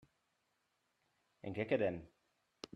En què quedem?